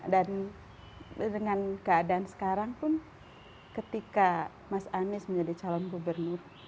dan dengan keadaan sekarang pun ketika mas anies menjadi calon gubernur